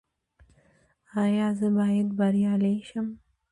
ایا زه باید بریالی شم؟